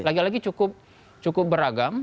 lagi lagi cukup beragam